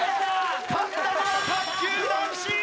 勝ったのは卓球男子！